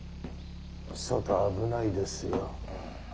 外危ないですよ。